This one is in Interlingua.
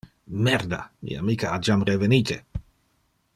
Merda! Mi amica ha jam revenite!